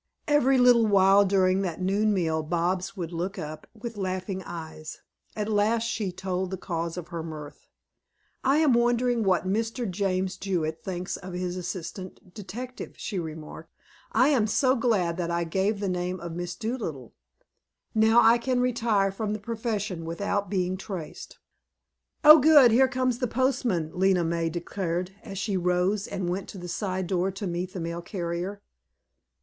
Every little while during that noon meal Bobs would look up with laughing eyes. At last she told the cause of her mirth. "I am wondering what Mr. James Jewett thinks of his assistant detective," she remarked. "I am so glad that I gave the name Miss Dolittle. Now I can retire from the profession without being traced." "Oh, good, here comes the postman," Lena May declared as she rose and went to the side door to meet the mail carrier.